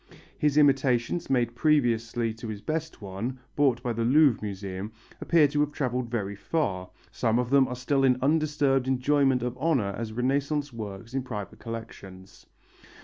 His imitations, made previously to his best one, bought by the Louvre Museum, appear to have travelled very far; some of them are still in undisturbed enjoyment of honour as Renaissance work in private collections.